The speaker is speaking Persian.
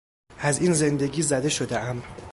از این زندگی زده شدهام.